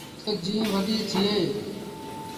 تا جين وڏيٚ ٿئي ۔